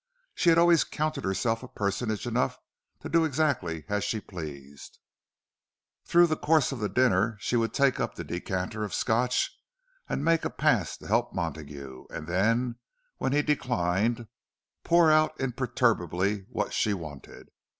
She had always counted herself a personage enough to do exactly as she pleased; through the course of the dinner she would take up the decanter of Scotch, and make a pass to help Montague—and then, when he declined, pour out imperturbably what she wanted.